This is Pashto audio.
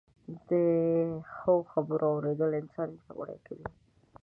د ښو خبرو اورېدل انسان پياوړی کوي